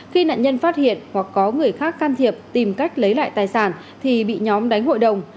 khi nạn nhân phát hiện hoặc có người khác can thiệp tìm cách lấy lại tài sản thì bị nhóm đánh hội đồng